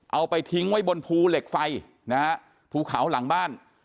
เอาไปทิ้งไว้บนภูเหล็กไฟนะฮะภูเขาหลังบ้าน